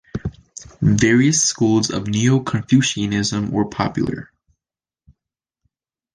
Various schools of neo-Confucianism were popular.